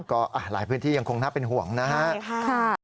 ก็หลายพื้นที่ยังคงน่าเป็นห่วงนะครับ